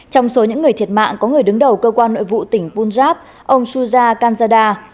trong số những người thiệt mạng có người đứng đầu cơ quan nội vụ tỉnh punjab ông shuja kanzada